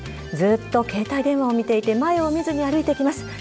ずっと携帯電話を見ていて前を見ずに歩いてきます。